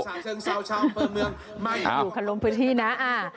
ดูคันลมพื้นที่นะ